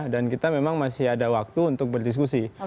dan kita memang masih ada waktu untuk berdiskusi